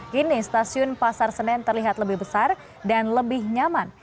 kini stasiun pasar senen terlihat lebih besar dan lebih nyaman